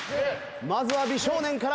まずは美少年から。